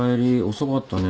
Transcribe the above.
遅かったね。